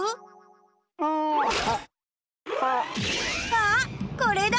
あっこれだ！